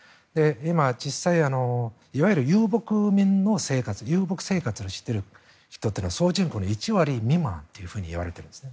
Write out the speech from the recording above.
今、実際、いわゆる遊牧民の生活遊牧生活をしている人っていうのは総人口の１割未満と言われているんですね。